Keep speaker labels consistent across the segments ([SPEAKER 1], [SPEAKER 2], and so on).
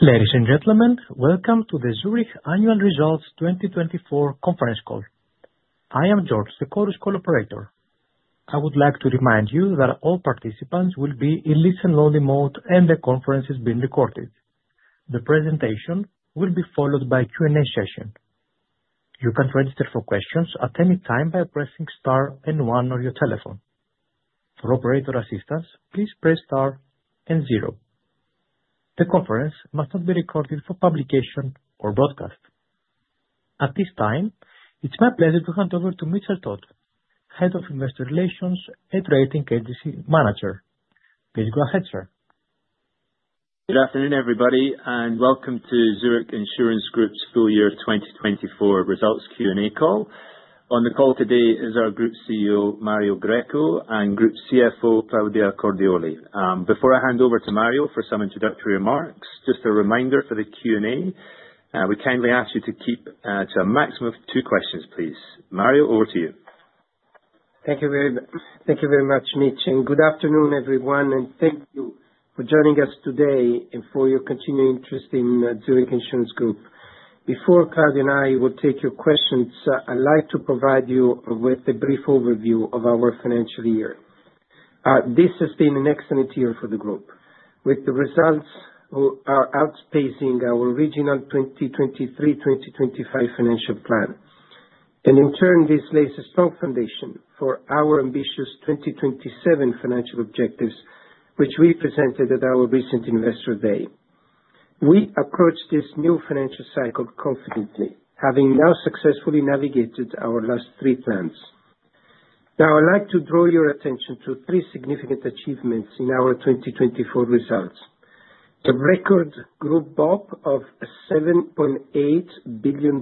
[SPEAKER 1] Ladies and gentlemen, welcome to the Zurich Annual Results 2024 conference call. I am George, the call's operator. I would like to remind you that all participants will be in listen-only mode, and the conference is being recorded. The presentation will be followed by a Q&A session. You can register for questions at any time by pressing star and one on your telephone. For operator assistance, please press star and zero. The conference must not be recorded for publication or broadcast. At this time, it's my pleasure to hand over to Mitchell Todd, Head of Investor Relations at Zurich Insurance Group. Please go ahead, sir.
[SPEAKER 2] Good afternoon, everybody, and welcome to Zurich Insurance Group's full year 2024 results Q&A call. On the call today is our Group CEO, Mario Greco, and Group CFO, Claudia Cordioli. Before I hand over to Mario for some introductory remarks, just a reminder for the Q&A, we kindly ask you to keep to a maximum of two questions, please. Mario, over to you.
[SPEAKER 3] Thank you very much, Mitch, and good afternoon, everyone, and thank you for joining us today and for your continued interest in Zurich Insurance Group. Before Claudia and I will take your questions, I'd like to provide you with a brief overview of our financial year. This has been an excellent year for the group, with the results which are outpacing our original 2023 to 2025 financial plan. In turn, this lays a strong foundation for our ambitious 2027 financial objectives, which we presented at our recent Investor Day. We approach this new financial cycle confidently, having now successfully navigated our last three plans. Now, I'd like to draw your attention to three significant achievements in our 2024 results: a record Group BOP of $7.8 billion,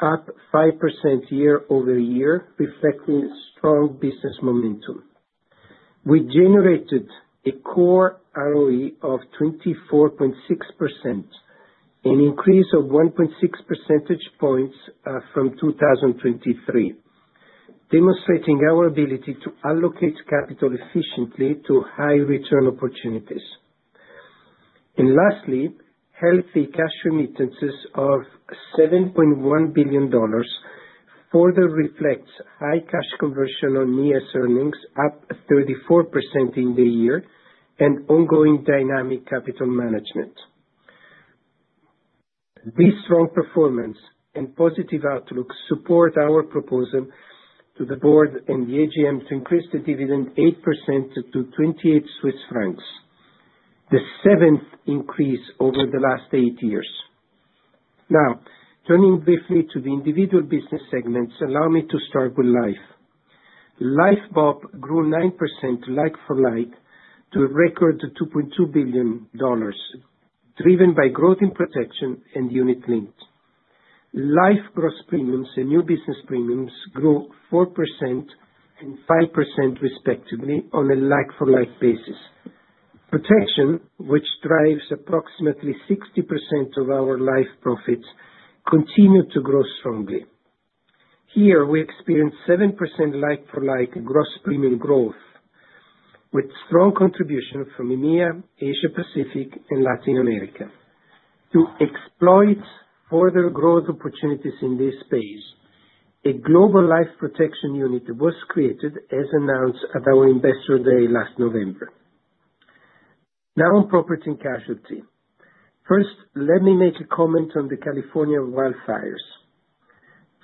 [SPEAKER 3] up 5% year-over-year, reflecting strong business momentum. We generated a core ROE of 24.6%, an increase of 1.6 percentage points from 2023, demonstrating our ability to allocate capital efficiently to high-return opportunities, and lastly, healthy cash remittances of $7.1 billion further reflect high cash conversion on years' earnings, up 34% in the year, and ongoing dynamic capital management. This strong performance and positive outlook support our proposal to the board and the AGM to increase the dividend 8% to 28 Swiss francs, the seventh increase over the last eight years. Now, turning briefly to the individual business segments, allow me to start with life. Life BOP grew 9% like for like to a record $2.2 billion, driven by growth in protection and unit-linked. Life gross premiums and new business premiums grew 4% and 5% respectively on a like-for-like basis. Protection, which drives approximately 60% of our life profits, continued to grow strongly. Here, we experienced 7% like-for-like gross premium growth, with strong contributions from EMEA, Asia Pacific, and Latin America to exploit further growth opportunities in this space. A global life protection unit was created, as announced at our Investor Day last November. Now, on property and casualty. First, let me make a comment on the California wildfires.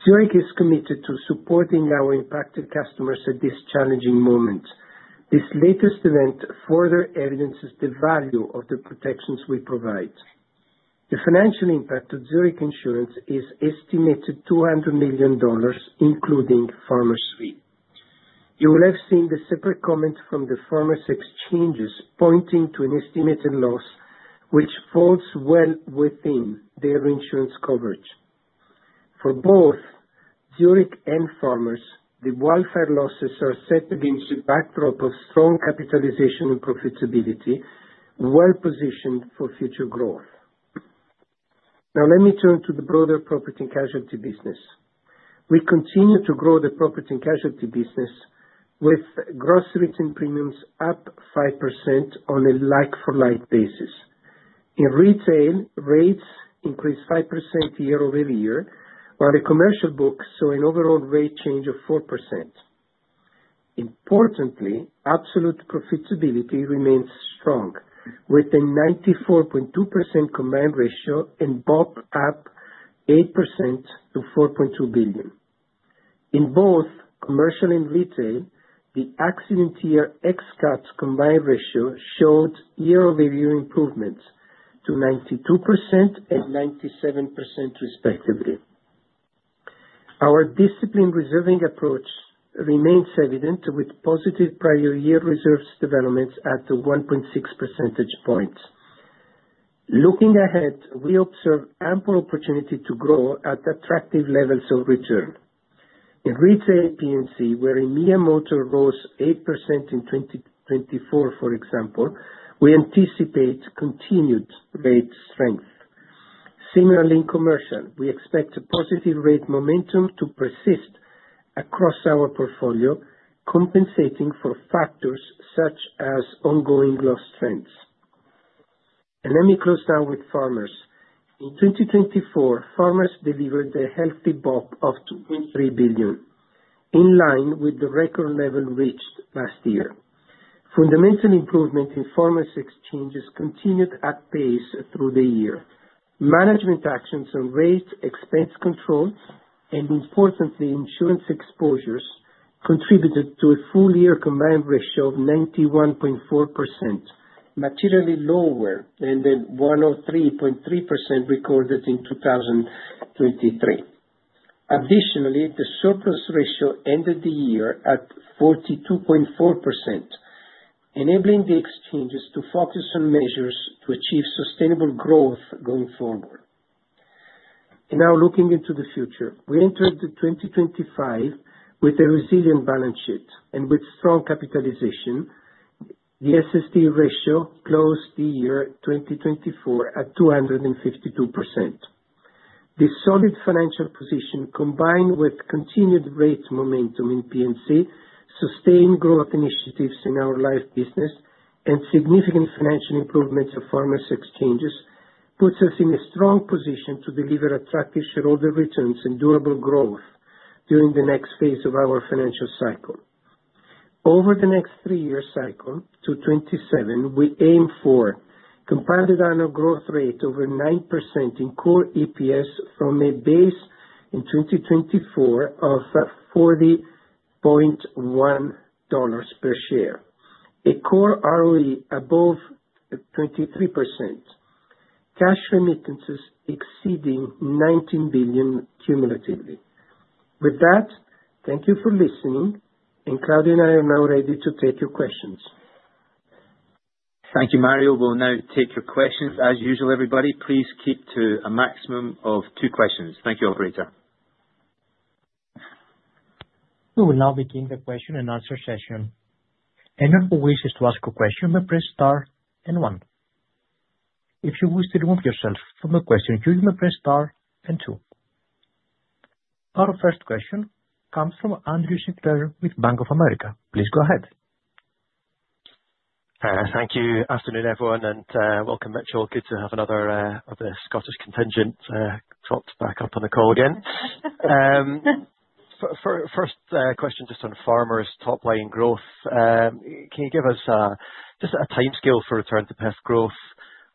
[SPEAKER 3] Zurich is committed to supporting our impacted customers at this challenging moment. This latest event further evidences the value of the protections we provide. The financial impact of Zurich Insurance is estimated at $200 million, including Farmers Exchanges. You will have seen the separate comment from the Farmers Exchanges pointing to an estimated loss, which falls well within their insurance coverage. For both Zurich and Farmers Exchanges, the wildfire losses are set against a backdrop of strong capitalization and profitability, well-positioned for future growth. Now, let me turn to the broader property and casualty business. We continue to grow the property and casualty business, with gross retail premiums up 5% on a like-for-like basis. In retail, rates increased 5% year-over-year, while the commercial books saw an overall rate change of 4%. Importantly, absolute profitability remains strong, with a 94.2% combined ratio and BOP up 8% to 4.2 billion. In both commercial and retail, the accident-year ex-cat combined ratio showed year-over-year improvements to 92% and 97%, respectively. Our disciplined-reserving approach remains evident, with positive prior year reserves developments at 1.6 percentage points. Looking ahead, we observe ample opportunity to grow at attractive levels of return. In retail P&C, where EMEA Motor rose 8% in 2024, for example, we anticipate continued rate strength. Similarly, in commercial, we expect a positive rate momentum to persist across our portfolio, compensating for factors such as ongoing loss trends. Let me close now with Farmers. In 2024, Farmers Exchanges delivered a healthy BOP of $2.3 billion, in line with the record level reached last year. Fundamental improvement in Farmers Exchanges continued apace through the year. Management actions on rate, expense control, and, importantly, insurance exposures contributed to a full-year combined ratio of 91.4%, materially lower than the 103.3% recorded in 2023. Additionally, the surplus ratio ended the year at 42.4%, enabling the exchanges to focus on measures to achieve sustainable growth going forward. Now, looking into the future, we entered 2025 with a resilient balance sheet and with strong capitalization. The SST ratio closed the year 2024 at 252%. This solid financial position, combined with continued rate momentum in P&C, sustained growth initiatives in our life business, and significant financial improvements of Farmers Exchanges, puts us in a strong position to deliver attractive shareholder returns and durable growth during the next phase of our financial cycle. Over the next three-year cycle to 2027, we aim for compound annual growth rate over 9% in core EPS from a base in 2024 of $40.1 per share, a core ROE above 23%, cash remittances exceeding $19 billion cumulatively. With that, thank you for listening, and Claudia and I are now ready to take your questions.
[SPEAKER 2] Thank you, Mario. We'll now take your questions. As usual, everybody, please keep to a maximum of two questions. Thank you, Operator.
[SPEAKER 1] We will now begin the question-and-answer session. Anyone who wishes to ask a question may press star and one. If you wish to remove yourself from the question, you may press star and two. Our first question comes from Andrew Sinclair with Bank of America. Please go ahead.
[SPEAKER 4] Thank you. Afternoon, everyone, and welcome, Mitch. All good to have another of the Scottish contingent dropped back up on the call again. First question just on Farmers Exchanges' top-line growth. Can you give us just a timescale for return-to-profit growth?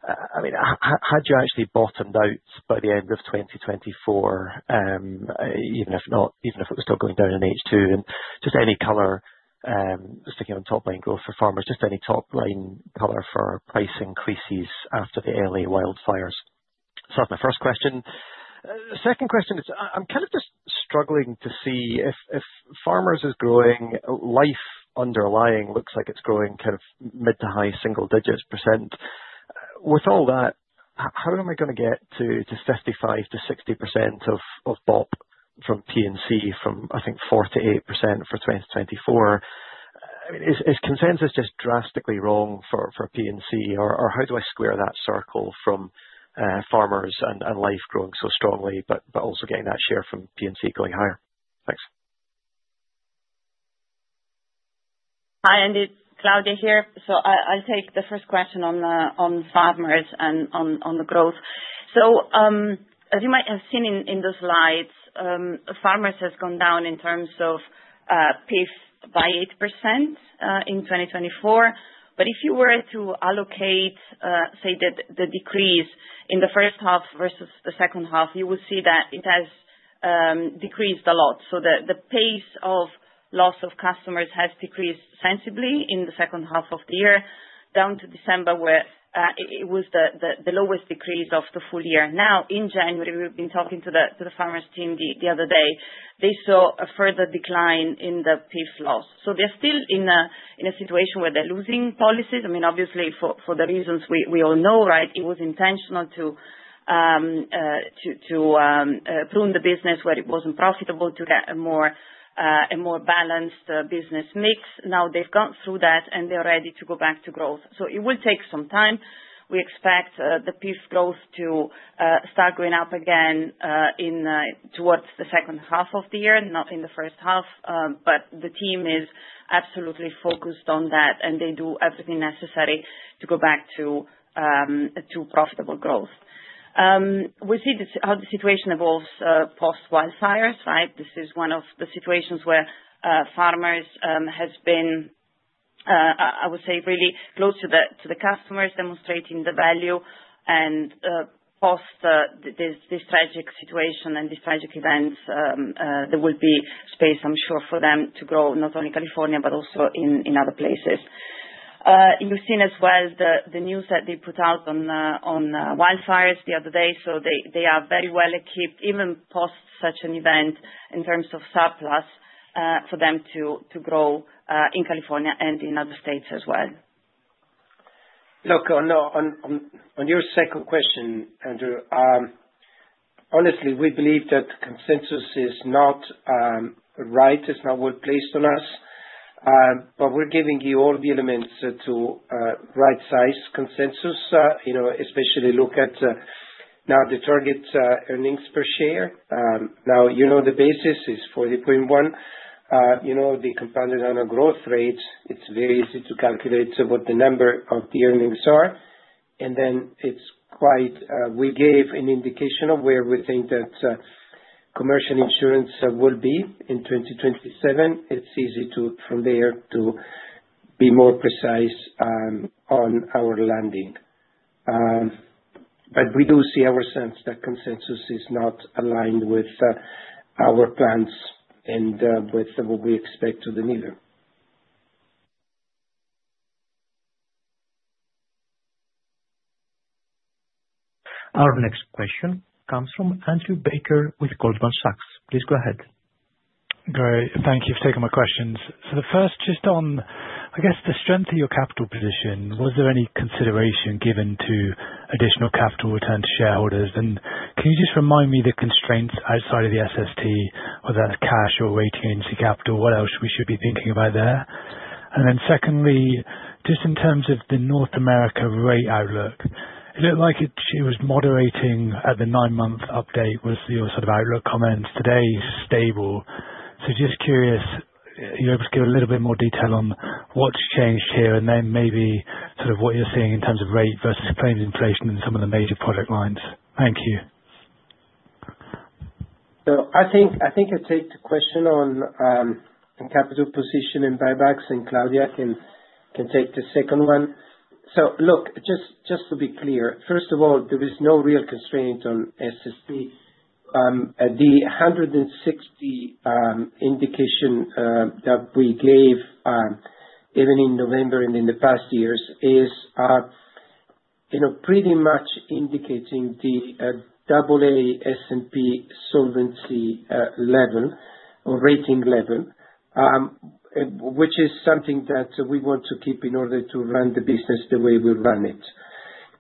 [SPEAKER 4] I mean, had you actually bottomed out by the end of 2024, even if it was still going down in H2, and just any color sticking on top-line growth for Farmers Exchanges, just any top-line color for price increases after the LA wildfires? So that's my first question. Second question, I'm kind of just struggling to see if Farmers Exchanges' is growing, life underlying looks like it's growing kind of mid- to high-single-digit %. With all that, how am I going to get to 55%-60% of BOP from P&C from, I think, 4%-8% for 2024? I mean, is consensus just drastically wrong for P&C, or how do I square that circle from Farmers and life growing so strongly, but also getting that share from P&C going higher? Thanks.
[SPEAKER 5] Hi, Claudia here, so I'll take the first question on Farmers Exchanges and on the growth, so as you might have seen in the slides, Farmers Exchanges has gone down in terms of PIF by 8% in 2024, but if you were to allocate, say, the decrease in the first half versus the second half, you will see that it has decreased a lot. So the pace of loss of customers has decreased sensibly in the second half of the year, down to December, where it was the lowest decrease of the full year. Now, in January, we've been talking to the Farmers Exchanges team the other day. They saw a further decline in the PIF loss, so they're still in a situation where they're losing policies. I mean, obviously, for the reasons we all know, right, it was intentional to prune the business where it wasn't profitable to get a more balanced business mix. Now they've gone through that, and they're ready to go back to growth. So it will take some time. We expect the PIF growth to start going up again towards the second half of the year, not in the first half, but the team is absolutely focused on that, and they do everything necessary to go back to profitable growth. We see how the situation evolves post-wildfires, right? This is one of the situations where Farmers has been, I would say, really close to the customers, demonstrating the value. And post this tragic situation and these tragic events, there will be space, I'm sure, for them to grow, not only in California but also in other places. You've seen as well the news that they put out on wildfires the other day, so they are very well equipped, even post such an event, in terms of surplus for them to grow in California and in other states as well.
[SPEAKER 3] Look, on your second question, Andrew, honestly, we believe that consensus is not right, is not well placed on us. But we're giving you all the elements to right-size consensus, especially look at now the target earnings per share. Now, you know the basis is 40.1. You know the compounded annual growth rate. It's very easy to calculate what the number of the earnings are. And then it's quite we gave an indication of where we think that commercial insurance will be in 2027. It's easy from there to be more precise on our landing. But we do see our sense that consensus is not aligned with our plans and with what we expect to deliver.
[SPEAKER 1] Our next question comes from Andrew Baker with Goldman Sachs. Please go ahead.
[SPEAKER 6] Great. Thank you for taking my questions. So the first, just on, I guess, the strength of your capital position, was there any consideration given to additional capital return to shareholders? And can you just remind me the constraints outside of the SST, whether that's cash or regulatory capital, what else we should be thinking about there? And then secondly, just in terms of the North America rate outlook, it looked like it was moderating at the nine-month update. Was your sort of outlook comments today stable? So just curious, are you able to give a little bit more detail on what's changed here and then maybe sort of what you're seeing in terms of rate versus claims inflation and some of the major product lines? Thank you.
[SPEAKER 3] So I think I take the question on capital position and buybacks, and Claudia can take the second one. So look, just to be clear, first of all, there is no real constraint on SST. The 160 indication that we gave even in November and in the past years is pretty much indicating the AA S&P solvency level or rating level, which is something that we want to keep in order to run the business the way we run it.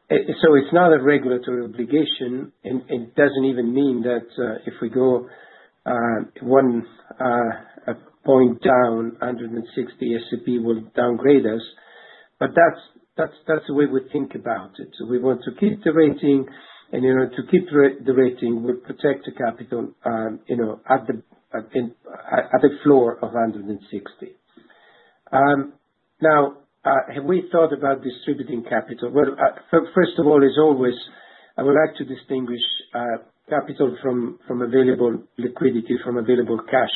[SPEAKER 3] So it's not a regulatory obligation, and it doesn't even mean that if we go one point down, 160 S&P will downgrade us. But that's the way we think about it. So we want to keep the rating, and to keep the rating, we protect the capital at the floor of 160. Now, have we thought about distributing capital? First of all, as always, I would like to distinguish capital from available liquidity, from available cash.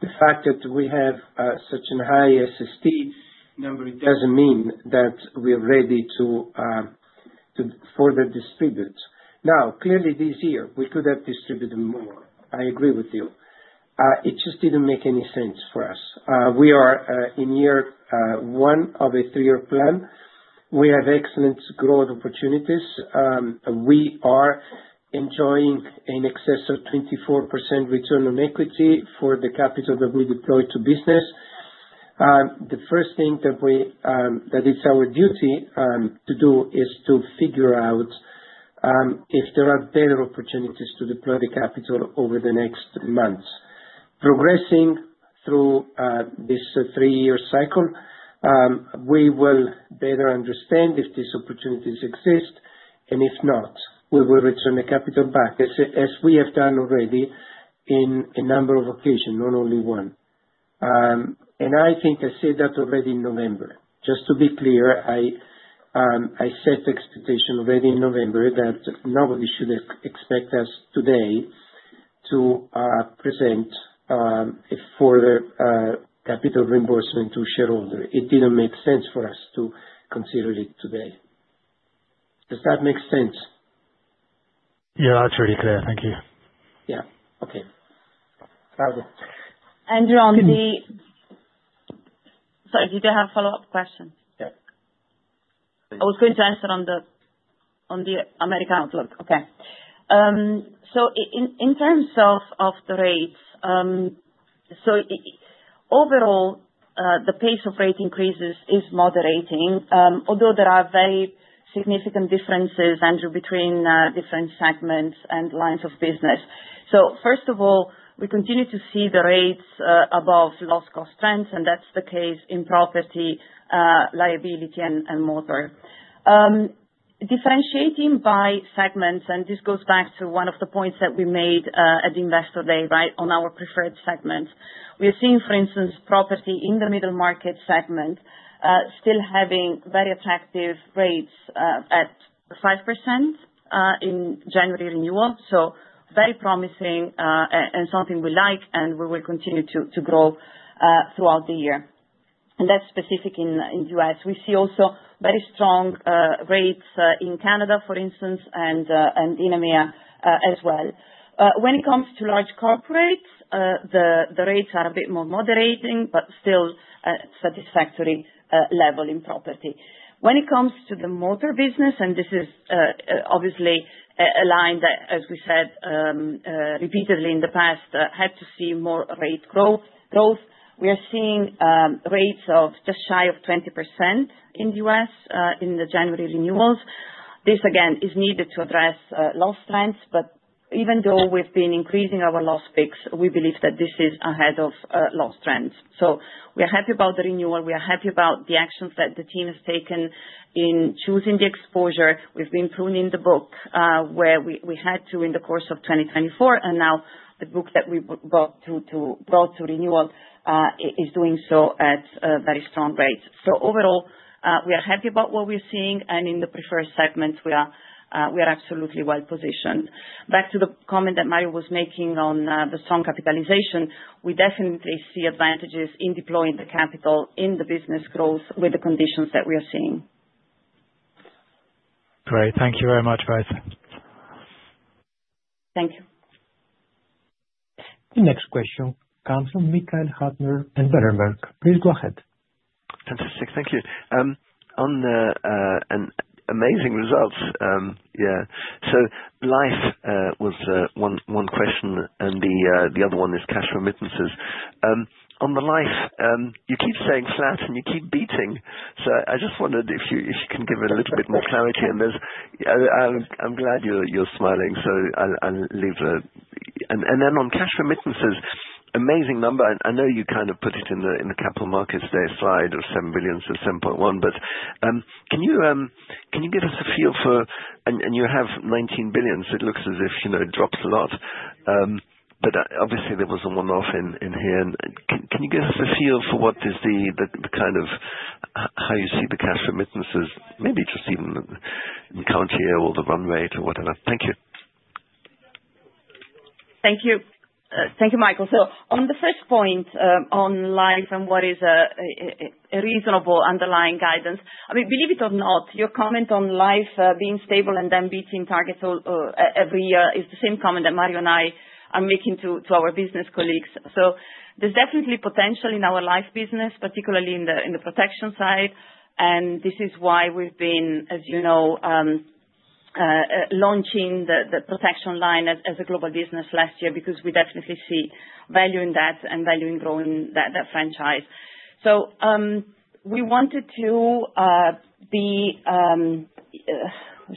[SPEAKER 3] The fact that we have such a high SST number doesn't mean that we're ready to further distribute. Now, clearly, this year, we could have distributed more. I agree with you. It just didn't make any sense for us. We are in year one of a three-year plan. We have excellent growth opportunities. We are enjoying an excess of 24% return on equity for the capital that we deploy to business. The first thing that it's our duty to do is to figure out if there are better opportunities to deploy the capital over the next months. Progressing through this three-year cycle, we will better understand if these opportunities exist, and if not, we will return the capital back, as we have done already in a number of occasions, not only one. I think I said that already in November. Just to be clear, I set the expectation already in November that nobody should expect us today to present a further capital reimbursement to shareholders. It didn't make sense for us to consider it today. Does that make sense?
[SPEAKER 6] Yeah, that's really clear. Thank you.
[SPEAKER 3] Yeah. Okay. Claudia.
[SPEAKER 5] Andrew, sorry, did you have a follow-up question?
[SPEAKER 6] Yeah.
[SPEAKER 5] I was going to answer on the American outlook. Okay, so in terms of the rates, so overall, the pace of rate increases is moderating, although there are very significant differences, Andrew, between different segments and lines of business. So first of all, we continue to see the rates above loss-cost trends, and that's the case in property, liability, and motor. Differentiating by segments, and this goes back to one of the points that we made at Investor Day, right, on our preferred segments, we are seeing, for instance, property in the middle market segment still having very attractive rates at 5% in January renewal. So very promising and something we like, and we will continue to grow throughout the year, and that's specific in the U.S. We see also very strong rates in Canada, for instance, and in EMEA as well. When it comes to large corporates, the rates are a bit more moderating, but still at a satisfactory level in property. When it comes to the motor business, and this is obviously a line that, as we said repeatedly in the past, had to see more rate growth, we are seeing rates of just shy of 20% in the U.S. in the January renewals. This, again, is needed to address loss trends. But even though we've been increasing our loss picks, we believe that this is ahead of loss trends. So we are happy about the renewal. We are happy about the actions that the team has taken in choosing the exposure. We've been pruning the book where we had to in the course of 2024, and now the book that we brought to renewal is doing so at very strong rates. So overall, we are happy about what we're seeing, and in the preferred segments, we are absolutely well positioned. Back to the comment that Mario was making on the strong capitalization, we definitely see advantages in deploying the capital in the business growth with the conditions that we are seeing.
[SPEAKER 6] Great. Thank you very much, both.
[SPEAKER 5] Thank you.
[SPEAKER 1] The next question comes from Michael Huttner and Berenberg. Please go ahead.
[SPEAKER 7] Fantastic. Thank you. On the amazing results, yeah. So life was one question, and the other one is cash remittances. On the life, you keep staying flat, and you keep beating. So I just wondered if you can give it a little bit more clarity. And I'm glad you're smiling, so I'll leave it and then on cash remittances, amazing number. I know you kind of put it in the capital markets day slide of 7 billion-7.1 billion, but can you give us a feel for and you have 19 billion. So it looks as if it drops a lot. But obviously, there was a one-off in here. And can you give us a feel for what is the kind of how you see the cash remittances, maybe just even in Q3 or the run rate or whatever? Thank you.
[SPEAKER 5] Thank you. Thank you, Michael. So on the first point on life and what is a reasonable underlying guidance, I mean, believe it or not, your comment on life being stable and then beating target every year is the same comment that Mario and I are making to our business colleagues. So there's definitely potential in our life business, particularly in the protection side. And this is why we've been, as you know, launching the protection line as a global business last year because we definitely see value in that and value in growing that franchise. So we wanted to be, how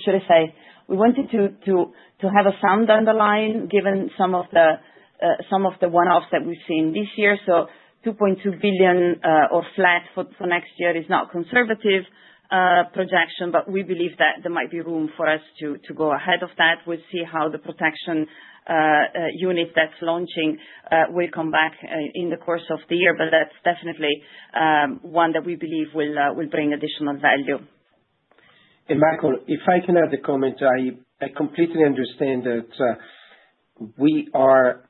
[SPEAKER 5] should I say, we wanted to have a sound underlying given some of the one-offs that we've seen this year. So 2.2 billion or flat for next year is not a conservative projection, but we believe that there might be room for us to go ahead of that. We'll see how the protection unit that's launching will come back in the course of the year, but that's definitely one that we believe will bring additional value.
[SPEAKER 8] And Michael, if I can add a comment, I completely understand that we are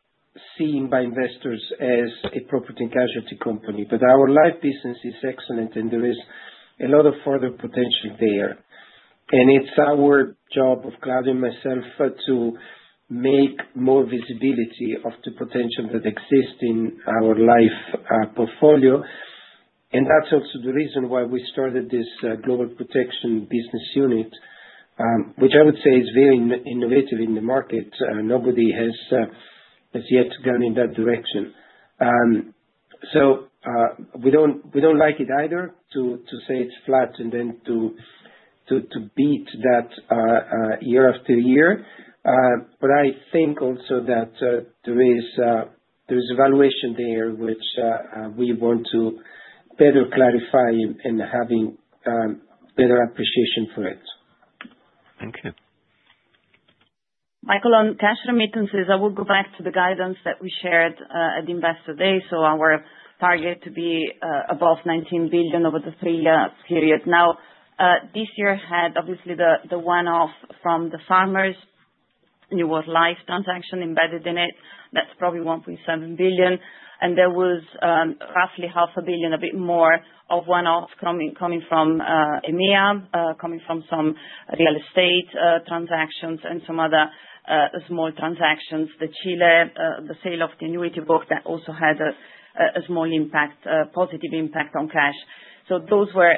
[SPEAKER 8] seen by investors as a property and casualty company, but our life business is excellent, and there is a lot of further potential there. And it's our job of Claudia and myself to make more visibility of the potential that exists in our life portfolio. And that's also the reason why we started this global protection business unit, which I would say is very innovative in the market. Nobody has yet gone in that direction. So we don't like it either to say it's flat and then to beat that year after year. But I think also that there is valuation there, which we want to better clarify and having better appreciation for it.
[SPEAKER 7] Thank you.
[SPEAKER 5] Michael, on cash remittances, I will go back to the guidance that we shared at Investor Day. So our target to be above 19 billion over the three-year period. Now, this year had, obviously, the one-off from the Farmers. There was a live transaction embedded in it. That's probably 1.7 billion. And there was roughly 500 million, a bit more of one-off coming from EMEA, coming from some real estate transactions and some other small transactions. In Chile, the sale of the annuity book that also had a small impact, positive impact on cash. So those were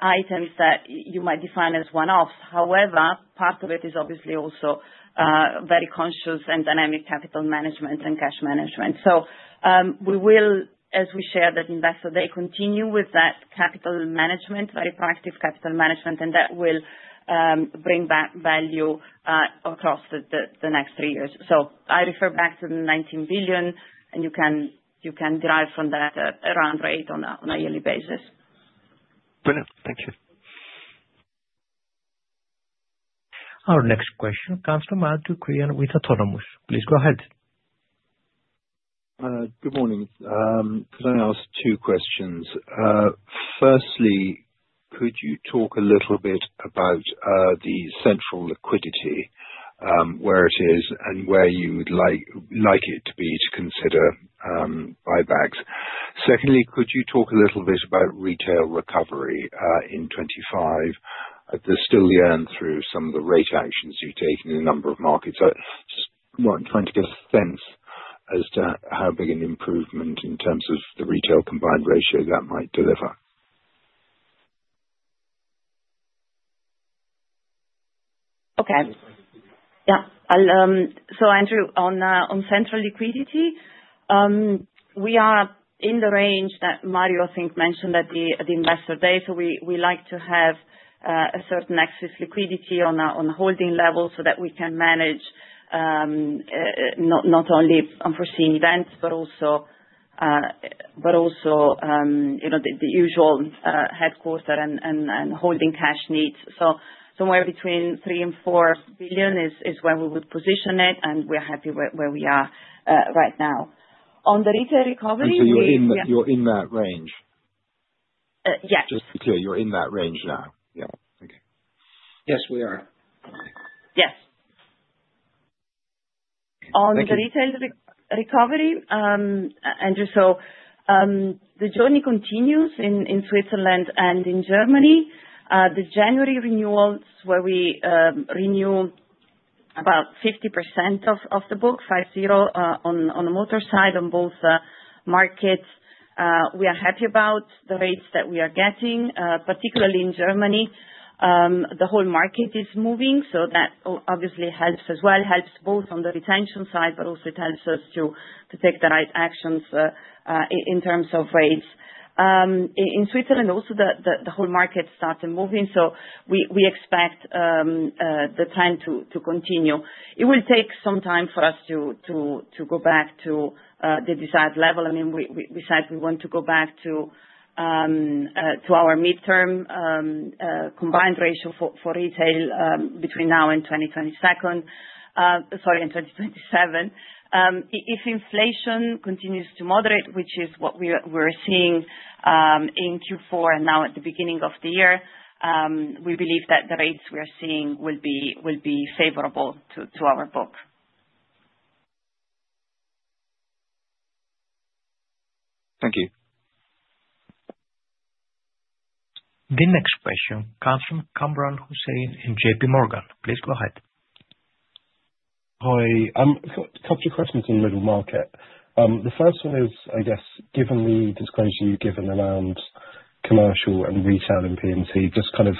[SPEAKER 5] items that you might define as one-offs. However, part of it is obviously also very conscious and dynamic capital management and cash management. So we will, as we shared at Investor Day, continue with that capital management, very proactive capital management, and that will bring back value across the next three years. I refer back to the 19 billion, and you can derive from that a run rate on a yearly basis.
[SPEAKER 7] Brilliant. Thank you.
[SPEAKER 1] Our next question comes from Andrew Crean with Autonomous Research. Please go ahead.
[SPEAKER 9] Good morning. Can I ask two questions? Firstly, could you talk a little bit about the central liquidity, where it is, and where you would like it to be to consider buybacks? Secondly, could you talk a little bit about retail recovery in 2025? There's still the earn through some of the rate actions you've taken in a number of markets. Just trying to get a sense as to how big an improvement in terms of the retail combined ratio that might deliver.
[SPEAKER 5] Okay. Yeah, so Andrew, on central liquidity, we are in the range that Mario, I think, mentioned at the Investor Day. So we like to have a certain excess liquidity on a holding level so that we can manage not only unforeseen events, but also the usual headquarters and holding cash needs. So somewhere between 3 billion and 4 billion is where we would position it, and we are happy where we are right now. On the retail recovery.
[SPEAKER 9] So you're in that range?
[SPEAKER 5] Yes.
[SPEAKER 9] Just to be clear, you're in that range now?
[SPEAKER 5] Yes.
[SPEAKER 9] Okay.
[SPEAKER 3] Yes, we are.
[SPEAKER 5] Yes. On the retail recovery, Andrew, so the journey continues in Switzerland and in Germany. The January renewals where we renew about 50% of the book, 5.0% on the motor side on both markets. We are happy about the rates that we are getting, particularly in Germany. The whole market is moving, so that obviously helps as well. Helps both on the retention side, but also it helps us to take the right actions in terms of rates. In Switzerland, also, the whole market started moving, so we expect the trend to continue. It will take some time for us to go back to the desired level. I mean, we said we want to go back to our midterm combined ratio for retail between now and 2022, sorry, and 2027. If inflation continues to moderate, which is what we were seeing in Q4 and now at the beginning of the year, we believe that the rates we are seeing will be favorable to our book.
[SPEAKER 9] Thank you.
[SPEAKER 1] The next question comes from Kamran Hossain and J.P. Morgan. Please go ahead.
[SPEAKER 10] Hi. A couple of questions on the middle market. The first one is, I guess, given the disclosure you've given around commercial and retail in P&C, just kind of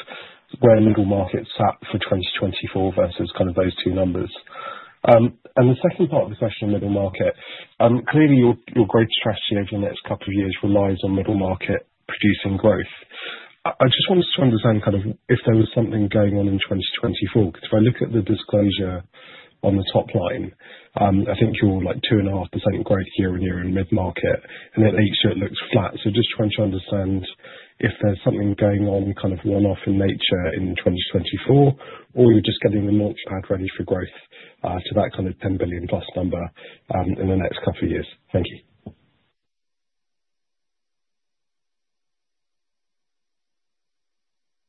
[SPEAKER 10] where middle market sat for 2024 versus kind of those two numbers. And the second part of the question on middle market, clearly, your growth strategy over the next couple of years relies on middle market producing growth. I just wanted to understand kind of if there was something going on in 2024. Because if I look at the disclosure on the top line, I think you're like 2.5% growth year-on-year in mid-market, and it makes sure it looks flat. So just trying to understand if there's something going on kind of one-off in nature in 2024, or you're just getting the launchpad ready for growth to that kind of 10 billion-plus number in the next couple of years. Thank you.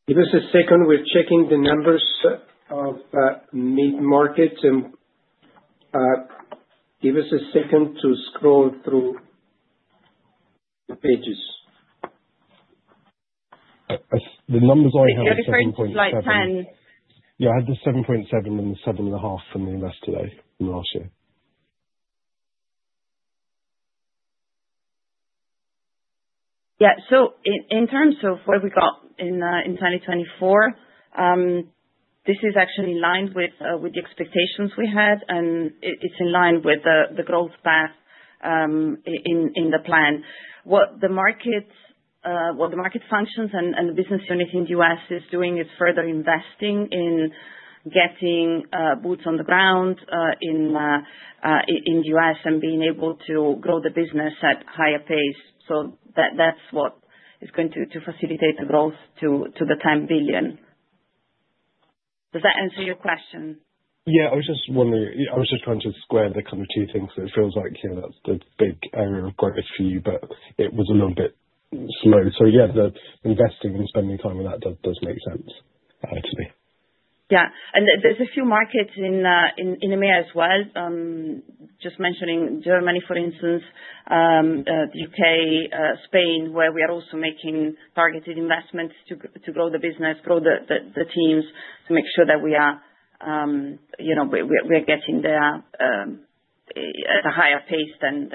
[SPEAKER 3] Give us a second. We're checking the numbers of mid-market. Give us a second to scroll through the pages.
[SPEAKER 10] The numbers I have are 7.7.
[SPEAKER 3] 7.7.
[SPEAKER 10] Yeah. I had the 7.7 and the 7.5 from the Investor Day last year.
[SPEAKER 5] Yeah. So in terms of where we got in 2024, this is actually in line with the expectations we had, and it's in line with the growth path in the plan. What the market functions and the business unit in the U.S. is doing is further investing in getting boots on the ground in the U.S. and being able to grow the business at a higher pace. So that's what is going to facilitate the growth to the $10 billion. Does that answer your question?
[SPEAKER 10] Yeah. I was just wondering. I was just trying to square the kind of two things that it feels like that's the big area of growth for you, but it was a little bit slow. So yeah, the investing and spending time on that does make sense. Absolutely.
[SPEAKER 11] Yeah. And there's a few markets in EMEA as well, just mentioning Germany, for instance, the UK, Spain, where we are also making targeted investments to grow the business, grow the teams to make sure that we are getting there at a higher pace than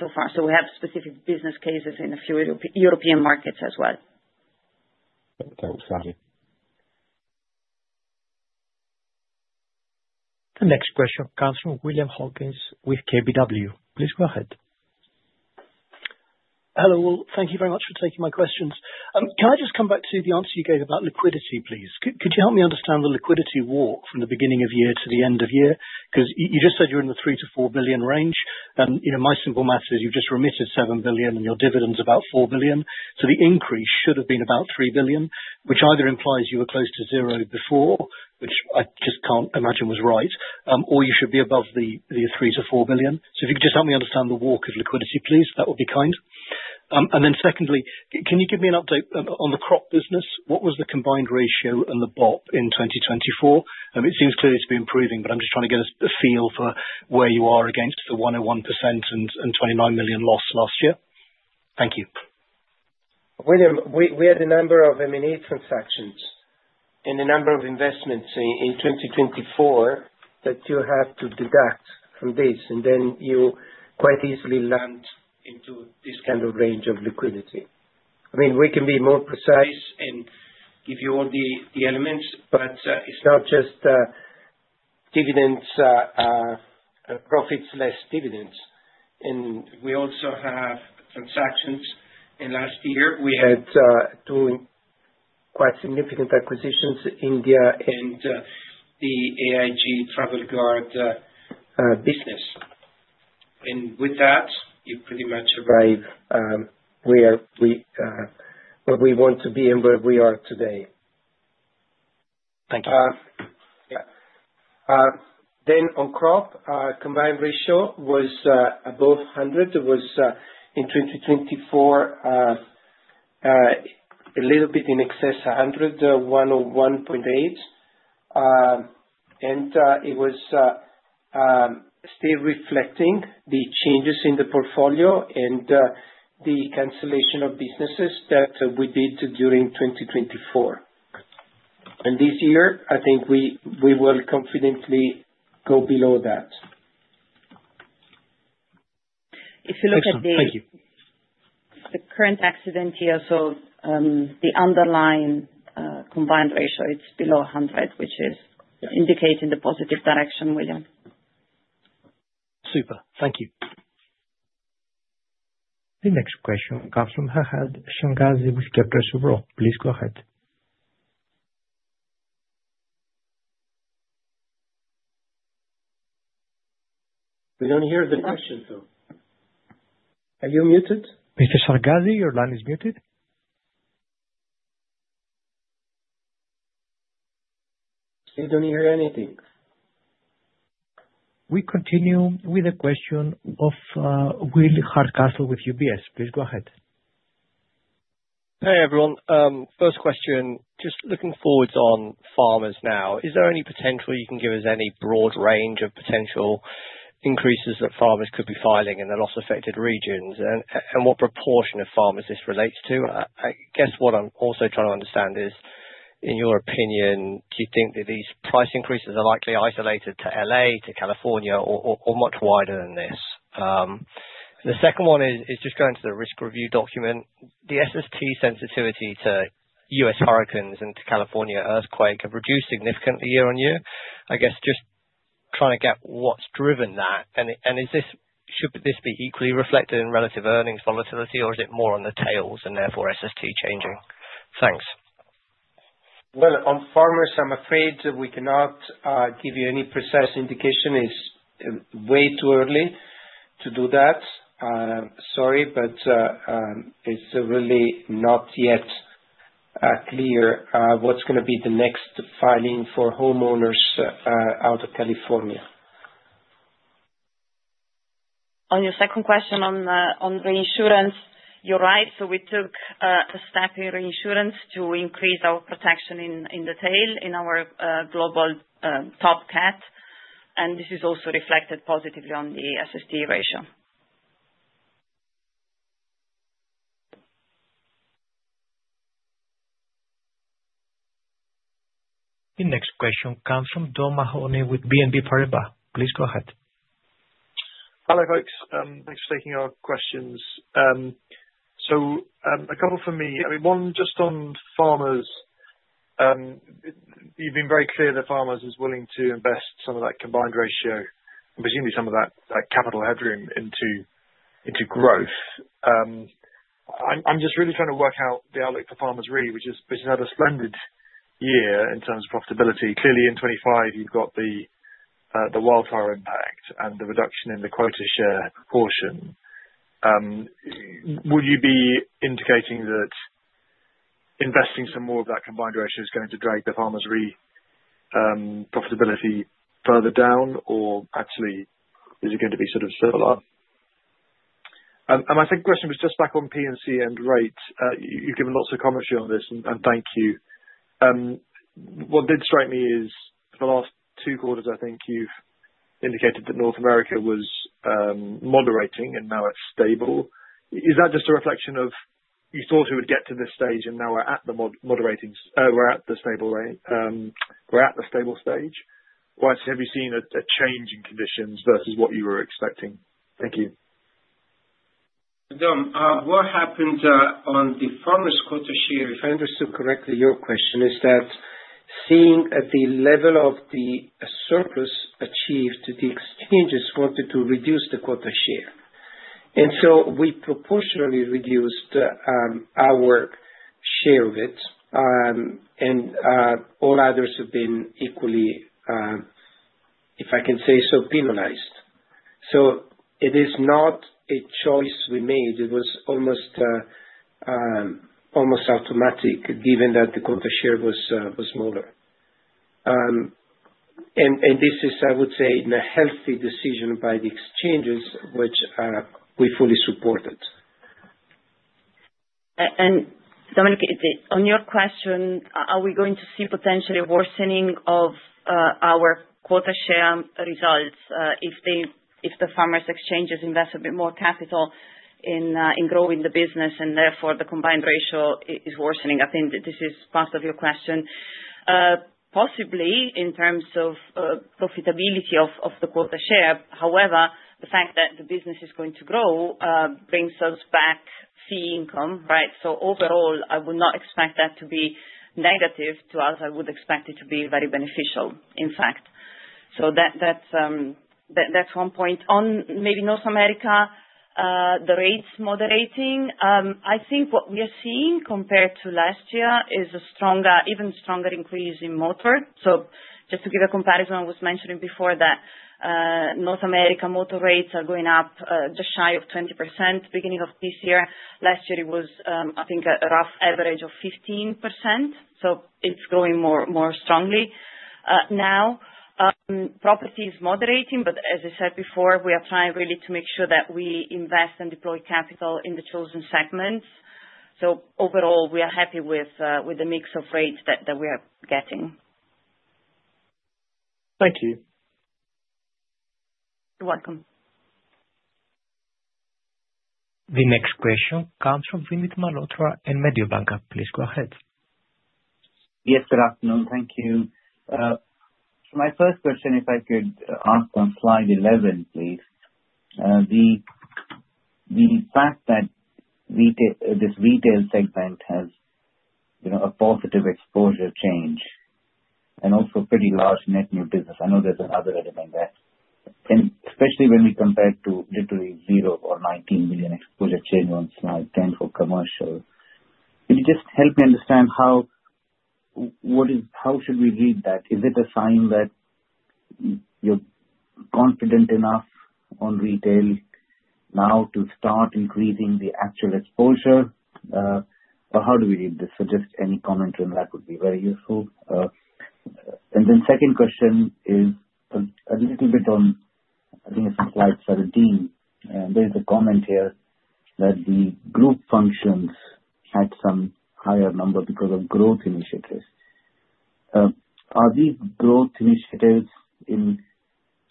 [SPEAKER 11] so far. So we have specific business cases in a few European markets as well.
[SPEAKER 10] Thanks, Claudia.
[SPEAKER 1] The next question comes from William Hawkins with KBW. Please go ahead.
[SPEAKER 12] Hello. Well, thank you very much for taking my questions. Can I just come back to the answer you gave about liquidity, please? Could you help me understand the liquidity walk from the beginning of year to the end of year? Because you just said you're in the 3 billion-4 billion range. And my simple math is you've just remitted 7 billion, and your dividend's about 4 billion. So the increase should have been about 3 billion, which either implies you were close to 0 before, which I just can't imagine was right, or you should be above the 3 billion-4 billion. So if you could just help me understand the walk of liquidity, please, that would be kind. And then secondly, can you give me an update on the crop business? What was the combined ratio and the BOP in 2024? It seems clear it's been improving, but I'm just trying to get a feel for where you are against the 101% and 29 million loss last year. Thank you.
[SPEAKER 3] William, we had a number of M&A transactions and a number of investments in 2024 that you have to deduct from this, and then you quite easily land into this kind of range of liquidity. I mean, we can be more precise and give you all the elements, but it's not just dividends and profits less dividends. And we also have transactions. And last year, we had two quite significant acquisitions, India and the AIG Travel Guard business. And with that, you pretty much arrive where we want to be and where we are today.
[SPEAKER 12] Thank you.
[SPEAKER 13] Then, on crop, combined ratio was above 100. It was in 2024 a little bit in excess of 100, 101.8. And it was still reflecting the changes in the portfolio and the cancellation of businesses that we did during 2024. And this year, I think we will confidently go below that.
[SPEAKER 5] If you look at the.
[SPEAKER 12] Thank you.
[SPEAKER 5] The current accident year, so the underlying combined ratio, it's below 100, which is indicating the positive direction, William.
[SPEAKER 12] Super. Thank you.
[SPEAKER 1] The next question comes from Farhad Hangashi with Capital Returns. Please go ahead.
[SPEAKER 3] We don't hear the question, sir. Are you muted?
[SPEAKER 1] Mr. Hangashi, your line is muted.
[SPEAKER 3] I don't hear anything.
[SPEAKER 1] We continue with the question of Will Hardcastle with UBS. Please go ahead.
[SPEAKER 4] Hey, everyone. First question. Just looking forwards on Farmers now, is there any potential you can give us any broad range of potential increases that Farmers could be filing in the loss-affected regions? And what proportion of Farmers this relates to? I guess what I'm also trying to understand is, in your opinion, do you think that these price increases are likely isolated to LA, to California, or much wider than this? The second one is just going to the risk review document. The SST sensitivity to U.S. hurricanes and to California earthquake have reduced significantly year-on-year. I guess just trying to get what's driven that. And should this be equally reflected in relative earnings volatility, or is it more on the tails and therefore SST changing? Thanks.
[SPEAKER 3] On Farmers, I'm afraid we cannot give you any precise indication. It's way too early to do that. Sorry, but it's really not yet clear what's going to be the next filing for homeowners out of California.
[SPEAKER 5] On your second question on reinsurance, you're right, so we took a step in reinsurance to increase our protection in the tail, in our global top cat, and this is also reflected positively on the SST ratio.
[SPEAKER 1] The next question comes from Dominic O'Mahony with BNP Paribas. Please go ahead.
[SPEAKER 14] Hello, folks. Thanks for taking our questions. So a couple for me. I mean, one just on Farmers. You've been very clear that Farmers are willing to invest some of that combined ratio, presumably some of that capital headroom into growth. I'm just really trying to work out the outlook for Farmers, really, which is another splendid year in terms of profitability. Clearly, in 2025, you've got the wildfire impact and the reduction in the quota share portion. Would you be indicating that investing some more of that combined ratio is going to drag the Farmers' profitability further down, or actually, is it going to be sort of similar? And my second question was just back on P&C and rates. You've given lots of commentary on this, and thank you. What did strike me is for the last two quarters, I think you've indicated that North America was moderating, and now it's stable. Is that just a reflection of what you thought we would get to this stage, and now we're at the stable rate? We're at the stable stage. Why have you seen a change in conditions versus what you were expecting? Thank you.
[SPEAKER 3] Dom, what happened on the Farmers' quota share? If I understood correctly, your question is that seeing at the level of the surplus achieved, the exchanges wanted to reduce the quota share, and so we proportionally reduced our share of it, and all others have been equally, if I can say so, penalized, so it is not a choice we made. It was almost automatic, given that the quota share was smaller, and this is, I would say, a healthy decision by the exchanges, which we fully supported.
[SPEAKER 5] Dominic, on your question, are we going to see potentially worsening of our quota share results if the Farmers Exchanges invest a bit more capital in growing the business, and therefore the combined ratio is worsening? I think this is part of your question. Possibly in terms of profitability of the quota share. However, the fact that the business is going to grow brings us back fee income, right? So overall, I would not expect that to be negative to us. I would expect it to be very beneficial, in fact. So that's one point. On maybe North America, the rates moderating. I think what we are seeing compared to last year is a stronger, even stronger increase in motor. So just to give a comparison, I was mentioning before that North America motor rates are going up just shy of 20% beginning of this year. Last year, it was, I think, a rough average of 15%. So it's growing more strongly now. Property is moderating, but as I said before, we are trying really to make sure that we invest and deploy capital in the chosen segments. So overall, we are happy with the mix of rates that we are getting.
[SPEAKER 14] Thank you.
[SPEAKER 5] You're welcome.
[SPEAKER 1] The next question comes from Vinit Malhotra and Mediobanca. Please go ahead.
[SPEAKER 15] Yes, good afternoon. Thank you. So my first question, if I could ask on slide 11, please. The fact that this retail segment has a positive exposure change and also pretty large net new business, I know there's another element there. And especially when we compare to literally zero or 19 million exposure change on slide 10 for commercial, could you just help me understand how should we read that? Is it a sign that you're confident enough on retail now to start increasing the actual exposure? Or how do we read this? So just any comment on that would be very useful. And then second question is a little bit on, I think, slide 17. There is a comment here that the group functions had some higher number because of growth initiatives. Are these growth initiatives in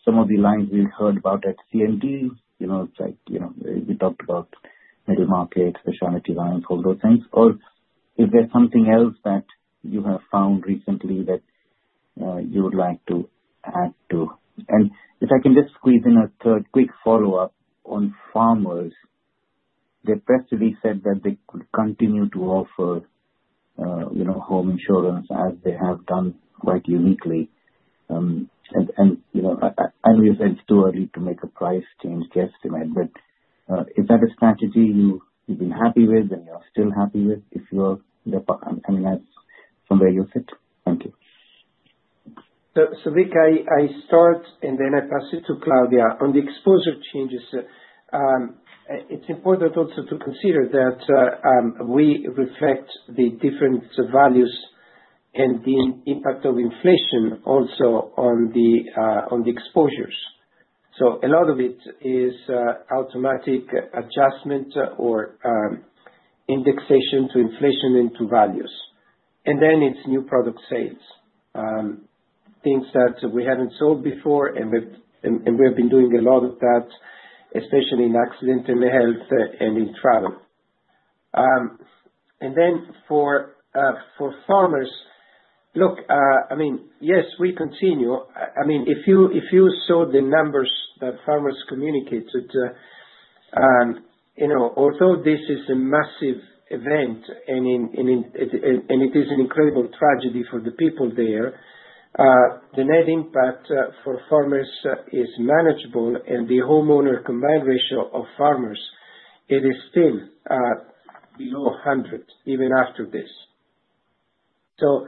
[SPEAKER 15] some of the lines we've heard about at CMD? It's like we talked about Middle Market, Specialty Lines, all those things. Or is there something else that you have found recently that you would like to add to? And if I can just squeeze in a third quick follow-up on Farmers. They expressly said that they could continue to offer home insurance as they have done quite uniquely. And I know you said it's too early to make a price change guesstimate, but is that a strategy you've been happy with and you're still happy with? I mean, that's from where you sit. Thank you.
[SPEAKER 3] Vic, I start, and then I pass it to Claudia. On the exposure changes, it's important also to consider that we reflect the different values and the impact of inflation also on the exposures. A lot of it is automatic adjustment or indexation to inflation into values. And then it's new product sales, things that we haven't sold before, and we have been doing a lot of that, especially in accident and health and in travel. And then for Farmers, look, I mean, yes, we continue. I mean, if you saw the numbers that Farmers communicated, although this is a massive event and it is an incredible tragedy for the people there, the net impact for Farmers is manageable, and the homeowners combined ratio of Farmers. It is still below 100 even after this. So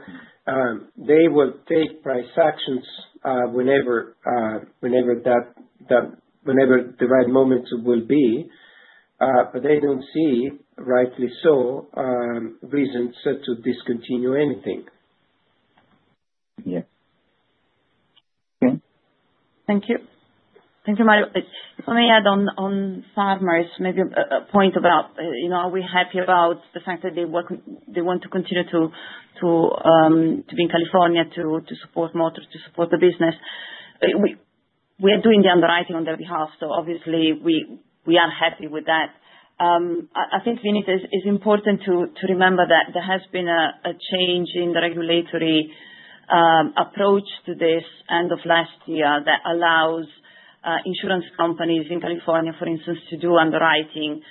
[SPEAKER 3] they will take price actions whenever the right moment will be, but they don't see rightly so reasons to discontinue anything.
[SPEAKER 15] Yes.
[SPEAKER 5] Okay. Thank you. Thank you, Mario. Let me add on Farmers, maybe a point about are we happy about the fact that they want to continue to be in California to support motors, to support the business? We are doing the underwriting on their behalf, so obviously, we are happy with that. I think, Vinit, it's important to remember that there has been a change in the regulatory approach to this end of last year that allows insurance companies in California, for instance, to do underwriting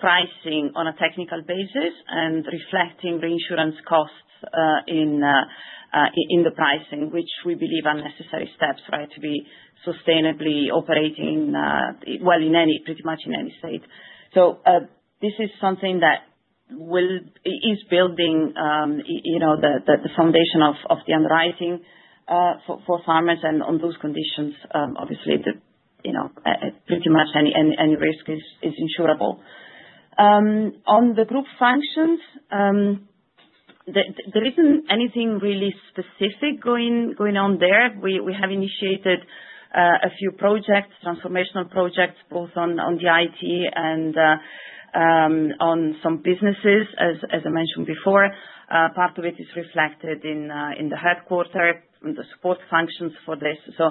[SPEAKER 5] pricing on a technical basis and reflecting reinsurance costs in the pricing, which we believe are necessary steps, right, to be sustainably operating, well, pretty much in any state. So this is something that is building the foundation of the underwriting for Farmers, and on those conditions, obviously, pretty much any risk is insurable. On the group functions, there isn't anything really specific going on there. We have initiated a few projects, transformational projects, both on the IT and on some businesses, as I mentioned before. Part of it is reflected in the headquarters and the support functions for this. So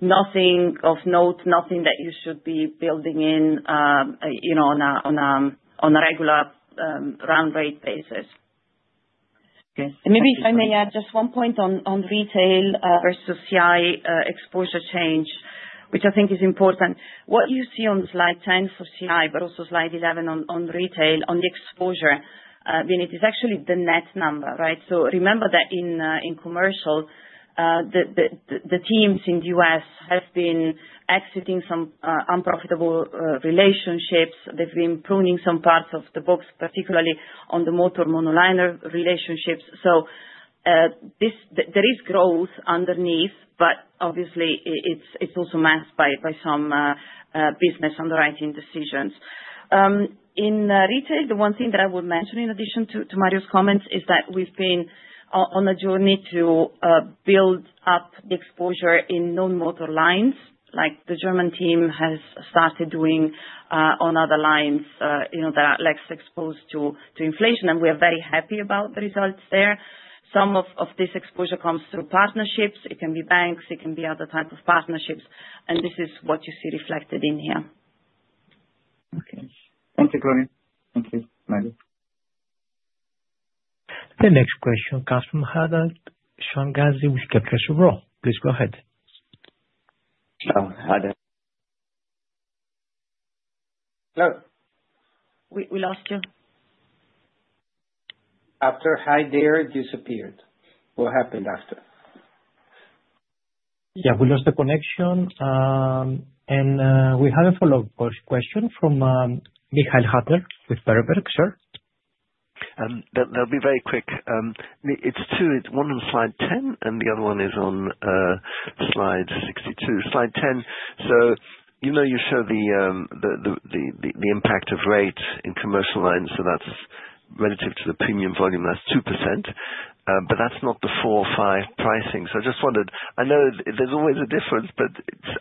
[SPEAKER 5] nothing of note, nothing that you should be building in on a regular run-rate basis. Okay. And maybe if I may add just one point on retail versus CI exposure change, which I think is important. What you see on slide 10 for CI, but also slide 11 on retail, on the exposure, Vinit, it's actually the net number, right? So remember that in commercial, the teams in the U.S. have been exiting some unprofitable relationships. They've been pruning some parts of the box, particularly on the motor monoliner relationships. So there is growth underneath, but obviously, it's also masked by some business underwriting decisions. In retail, the one thing that I would mention in addition to Mario's comments is that we've been on a journey to build up the exposure in non-motor lines, like the German team has started doing on other lines that are less exposed to inflation, and we are very happy about the results there. Some of this exposure comes through partnerships. It can be banks. It can be other types of partnerships. And this is what you see reflected in here.
[SPEAKER 15] Okay. Thank you, Claudia. Thank you, Mario.
[SPEAKER 1] The next question comes from Haddad, Sean Gazzi, with Capital Survival. Please go ahead.
[SPEAKER 3] Hello, Haddad.
[SPEAKER 16] Hello?
[SPEAKER 5] We lost you.
[SPEAKER 3] After hi there, disappeared. What happened after?
[SPEAKER 1] Yeah, we lost the connection. And we have a follow-up question from Michael Huttner with Berenberg, sir.
[SPEAKER 7] They'll be very quick. It's two. One on slide 10, and the other one is on slide 62. Slide 10. So you know you show the impact of rates in commercial lines, so that's relative to the premium volume, that's 2%. But that's not the four or five pricing. So I just wondered, I know there's always a difference, but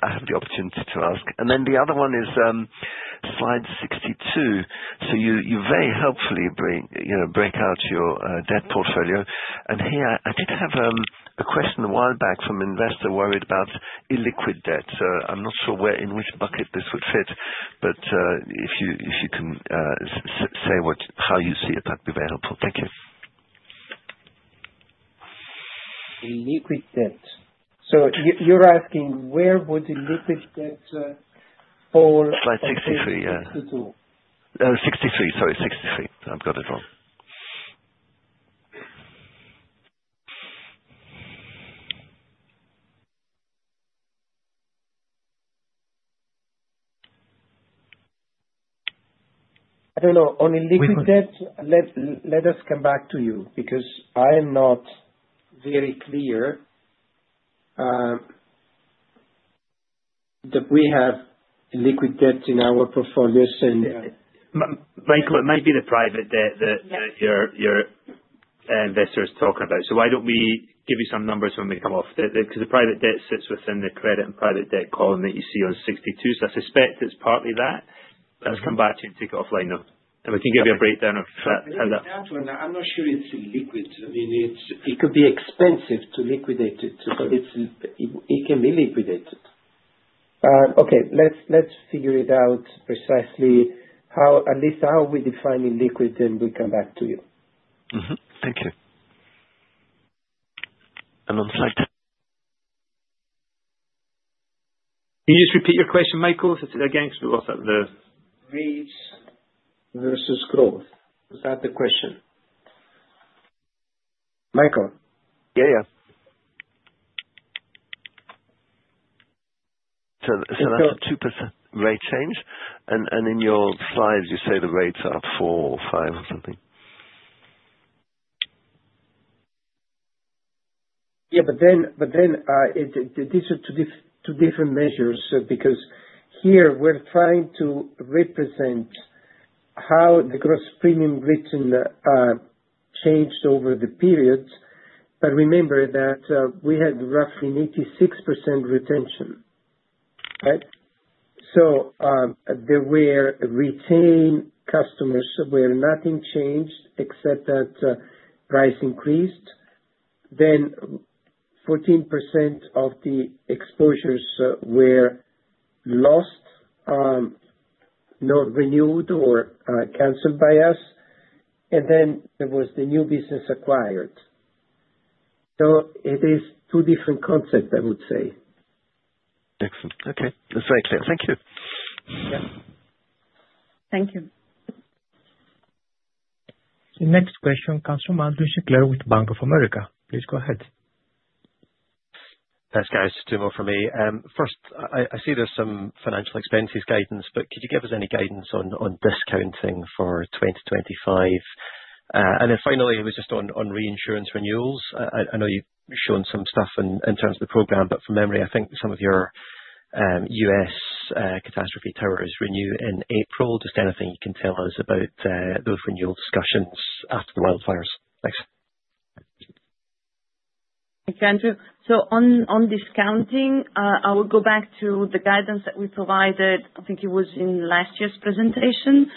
[SPEAKER 7] I have the opportunity to ask. And then the other one is slide 62. So you very helpfully break out your debt portfolio. And here, I did have a question a while back from an investor worried about illiquid debt. So I'm not sure in which bucket this would fit, but if you can say how you see it, that'd be very helpful. Thank you.
[SPEAKER 3] Illiquid debt. So you're asking where would illiquid debt fall?
[SPEAKER 7] Slide 63, yeah.
[SPEAKER 3] 62.
[SPEAKER 7] 63, sorry, 63. I've got it wrong.
[SPEAKER 3] I don't know. On illiquid debt, let us come back to you because I am not very clear that we have illiquid debt in our portfolios and.
[SPEAKER 7] Maybe the private debt that your investor is talking about. So why don't we give you some numbers when we come off? Because the private debt sits within the credit and private debt column that you see on 62. So I suspect it's partly that. Let us come back to you and take it offline now. And we can give you a breakdown of how that.
[SPEAKER 3] I'm not sure it's illiquid. I mean, it could be expensive to liquidate it, but it can be liquidated. Okay. Let's figure it out precisely, at least how we define illiquid, then we come back to you.
[SPEAKER 7] Thank you, and on slide 10.
[SPEAKER 3] Can you just repeat your question, Michael? Again, because we lost the. Rates versus growth? Is that the question? Michael.
[SPEAKER 7] Yeah, yeah. That's a 2% rate change. In your slides, you say the rates are 4 or 5 or something.
[SPEAKER 3] Yeah, but then these are two different measures because here we're trying to represent how the gross premium written changed over the periods. But remember that we had roughly 86% retention, right? So there were retained customers where nothing changed except that price increased. Then 14% of the exposures were lost, not renewed or canceled by us. And then there was the new business acquired. So it is two different concepts, I would say.
[SPEAKER 7] Excellent. Okay. That's very clear. Thank you.
[SPEAKER 3] Yeah.
[SPEAKER 5] Thank you.
[SPEAKER 1] The next question comes from Andrew Sinclair with Bank of America. Please go ahead.
[SPEAKER 4] Thanks, guys. Two more from me. First, I see there's some financing expenses guidance, but could you give us any guidance on discounting for 2025? And then finally, it was just on reinsurance renewals. I know you've shown some stuff in terms of the program, but from memory, I think some of your U.S. catastrophe treaties renew in April. Just anything you can tell us about those renewal discussions after the wildfires? Thanks.
[SPEAKER 5] Thank you, Andrew. So on discounting, I will go back to the guidance that we provided. I think it was in last year's presentation.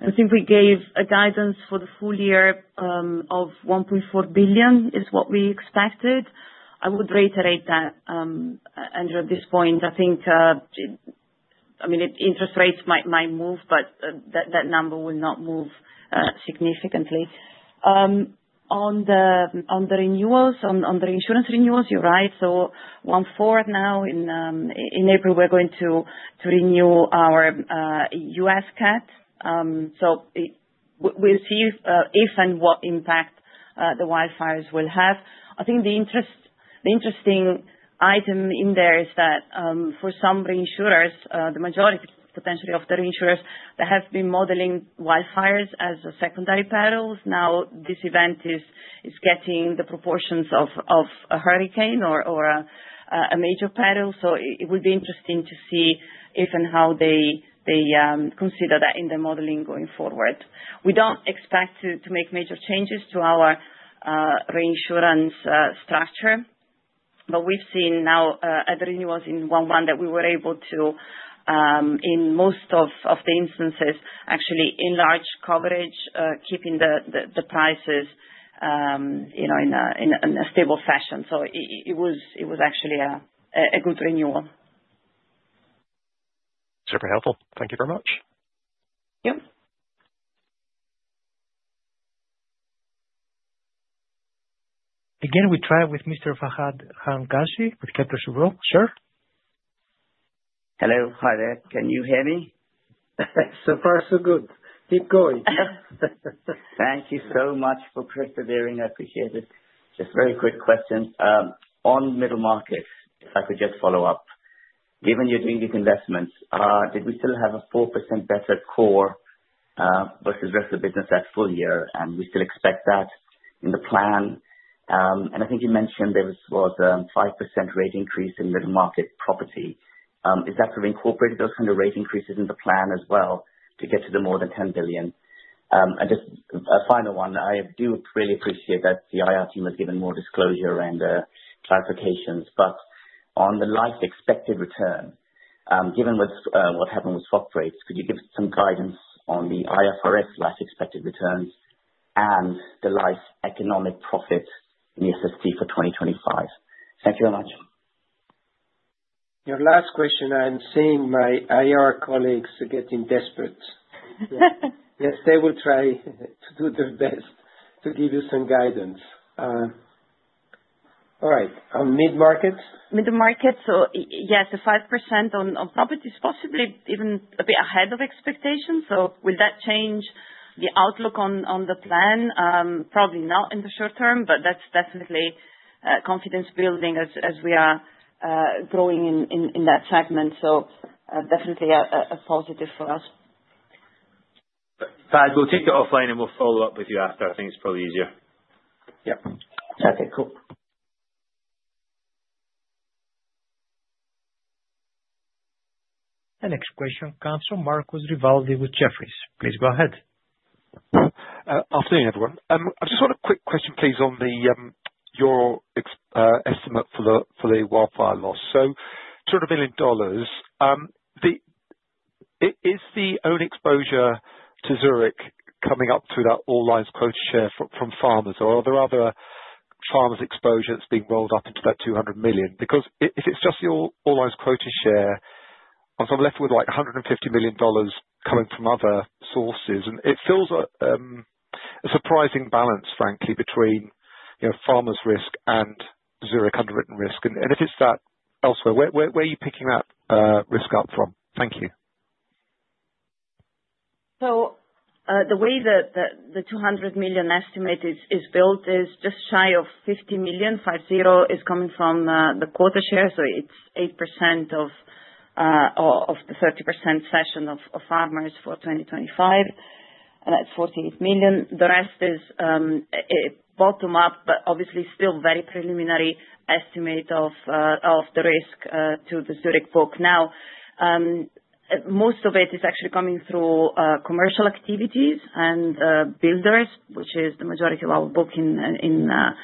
[SPEAKER 5] I think we gave a guidance for the full year of 1.4 billion is what we expected. I would reiterate that, Andrew, at this point. I think, I mean, interest rates might move, but that number will not move significantly. On the renewals, on the insurance renewals, you're right. So one fourth now in April, we're going to renew our U.S. cat. So we'll see if and what impact the wildfires will have. I think the interesting item in there is that for some reinsurers, the majority potentially of the reinsurers, they have been modeling wildfires as secondary perils. Now, this event is getting the proportions of a hurricane or a major peril. So it would be interesting to see if and how they consider that in the modeling going forward. We don't expect to make major changes to our reinsurance structure, but we've seen now at the renewals in one month that we were able to, in most of the instances, actually enlarge coverage, keeping the prices in a stable fashion. So it was actually a good renewal.
[SPEAKER 4] Super helpful. Thank you very much.
[SPEAKER 5] Yep.
[SPEAKER 1] Again, we try with Mr. Farhad Hangashi with Capital Survival. Sir?
[SPEAKER 3] Hello, Farhad. Can you hear me? So far, so good. Keep going.
[SPEAKER 17] Thank you so much for persevering. I appreciate it. Just very quick question. On middle markets, if I could just follow up, given you're doing these investments, did we still have a 4% better core versus rest of the business that full year? And we still expect that in the plan. And I think you mentioned there was a 5% rate increase in middle market property. Is that to have incorporated those kind of rate increases in the plan as well to get to the more than 10 billion? And just a final one. I do really appreciate that the IR team has given more disclosure and clarifications. But on the life expected return, given what happened with swap rates, could you give some guidance on the IFRS life expected returns and the life economic profit in the SSP for 2025? Thank you very much.
[SPEAKER 3] Your last question, I'm seeing my IR colleagues getting desperate. Yes, they will try to do their best to give you some guidance. All right. On mid-market?
[SPEAKER 5] market, so yes, the 5% on properties possibly even a bit ahead of expectations. So will that change the outlook on the plan? Probably not in the short term, but that's definitely confidence building as we are growing in that segment. So definitely a positive for us.
[SPEAKER 16] But we'll take it offline and we'll follow up with you after. I think it's probably easier.
[SPEAKER 3] Yep.
[SPEAKER 16] Okay, cool.
[SPEAKER 1] The next question comes from Marcus Rivaldi with Jefferies. Please go ahead.
[SPEAKER 18] Afternoon, everyone. I just want a quick question, please, on your estimate for the wildfire loss. So billion dollars, is the own exposure to Zurich coming up through that all-lines quota share from Farmers? Or are there other Farmers' exposures being rolled up into that $200 million? Because if it's just your all-lines quota share, I'm left with like $150 million coming from other sources. And it feels a surprising balance, frankly, between Farmers' risk and Zurich underwritten risk. And if it's that elsewhere, where are you picking that risk up from? Thank you.
[SPEAKER 5] So the way that the 200 million estimate is built is just shy of 50 million. 50 million is coming from the quota share, so it's 8% of the 30% cession of Farmers for 2025, and that's 48 million. The rest is bottom-up, but obviously still very preliminary estimate of the risk to the Zurich book. Now, most of it is actually coming through commercial activities and builders, which is the majority of our book in that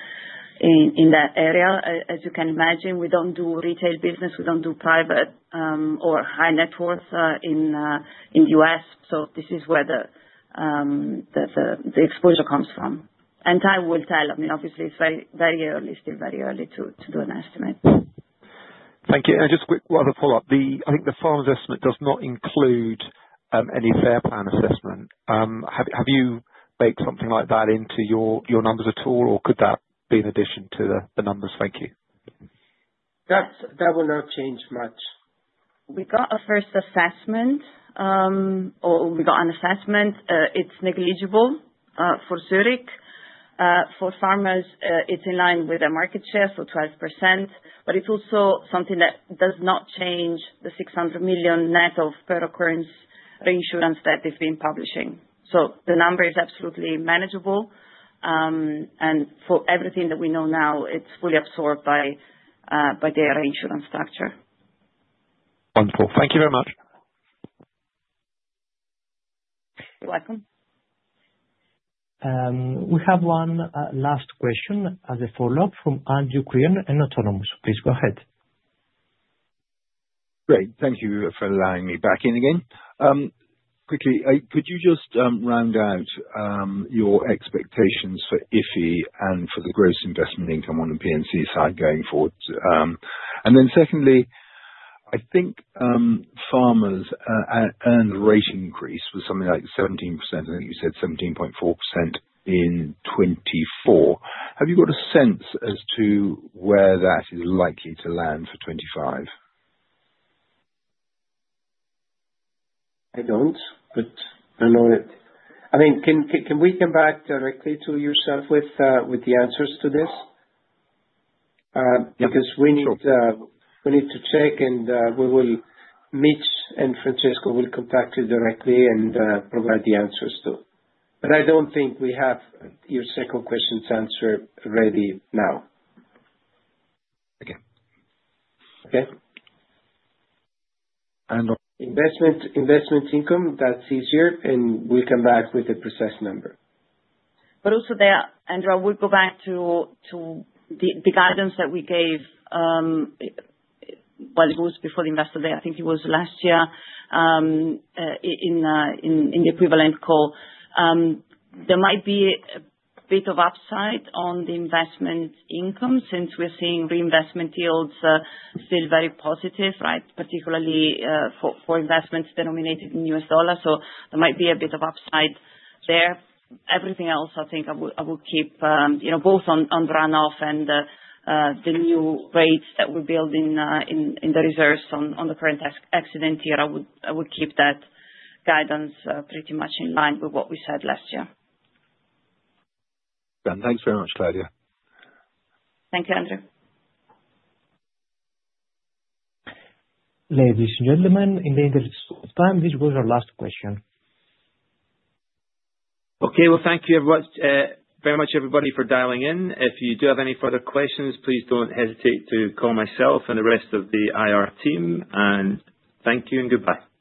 [SPEAKER 5] area. As you can imagine, we don't do retail business. We don't do private or high net worth in the U.S. So this is where the exposure comes from. And time will tell. I mean, obviously, it's very early, still very early to do an estimate.
[SPEAKER 18] Thank you. And just quick, one other follow-up. I think the Farmers' estimate does not include any FAIR Plan assessment. Have you baked something like that into your numbers at all, or could that be in addition to the numbers? Thank you.
[SPEAKER 3] That will not change much.
[SPEAKER 5] We got a first assessment, or we got an assessment. It's negligible for Zurich. For Farmers, it's in line with their market share, so 12%. But it's also something that does not change the 600 million net of per-occurrence reinsurance that they've been publishing. So the number is absolutely manageable. And for everything that we know now, it's fully absorbed by their reinsurance structure.
[SPEAKER 18] Wonderful. Thank you very much.
[SPEAKER 5] You're welcome.
[SPEAKER 1] We have one last question as a follow-up from Andrew Crean in Autonomous. Please go ahead.
[SPEAKER 9] Great. Thank you for allowing me back in again. Quickly, could you just round out your expectations for OFI and for the gross investment income on the P&C side going forward? And then secondly, I think Farmers' earned rate increase was something like 17%. I think you said 17.4% in 2024. Have you got a sense as to where that is likely to land for 2025?
[SPEAKER 3] I don't, but I know it. I mean, can we come back directly to yourself with the answers to this? Because we need to check, and we will meet, and Francesco will contact you directly and provide the answers too. But I don't think we have your second question's answer ready now.
[SPEAKER 9] Okay.
[SPEAKER 3] Okay?
[SPEAKER 9] And.
[SPEAKER 3] Investment income, that's easier, and we'll come back with the precise number.
[SPEAKER 5] But also there, Andrew, I would go back to the guidance that we gave while it was before the Investor Day. I think it was last year in the equivalent call. There might be a bit of upside on the investment income since we're seeing reinvestment yields still very positive, right? Particularly for investments denominated in U.S. dollars. So there might be a bit of upside there. Everything else, I think I will keep both on the runoff and the new rates that we're building in the reserves on the current accident year. I would keep that guidance pretty much in line with what we said last year.
[SPEAKER 9] Thanks very much, Claudia.
[SPEAKER 5] Thank you, Andrew.
[SPEAKER 1] Ladies and gentlemen, in the interest of time, this was our last question.
[SPEAKER 3] Okay. Well, thank you very much, everybody, for dialing in. If you do have any further questions, please don't hesitate to call myself and the rest of the IR team. And thank you and goodbye.